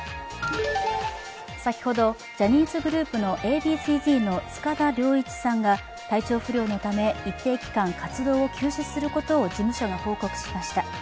先ほどジャニーズグループのＡ．Ｂ．Ｃ−Ｚの塚田僚一さんが体調不良のため一定期間、活動を休止することを事務所が報告しました。